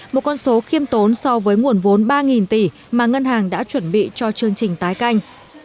một con số khiêm tốn so với nguồn vốn ba tỷ mà ngân hàng đã chuẩn bị cho chương trình tái canh